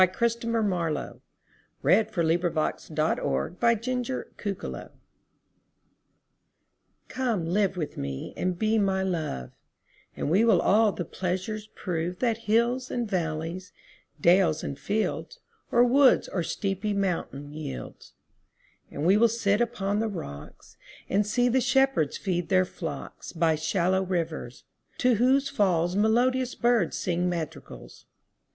Christopher Marlowe. 1564–93 121. The Passionate Shepherd to His Love COME live with me and be my Love, And we will all the pleasures prove That hills and valleys, dales and fields, Or woods or steepy mountain yields. And we will sit upon the rocks, 5 And see the shepherds feed their flocks By shallow rivers, to whose falls Melodious birds sing madrigals.